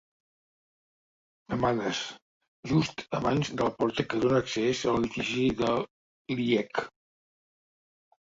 Amades, just abans de la porta que dona accés a l'edifici de l'IEC.